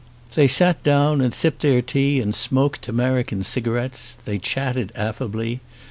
They sat down and sipped their tea and smoked American cigarettes. They chatted affably.